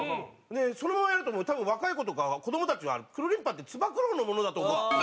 そのままやると多分若い子とか子どもたちはクルリンパってつば九郎のものだと。